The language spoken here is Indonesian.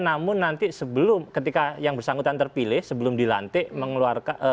namun nanti sebelum ketika yang bersangkutan terpilih sebelum dilantik mengeluarkan